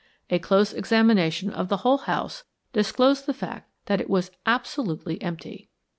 A close examination of the whole house disclosed the fact that it was absolutely empty.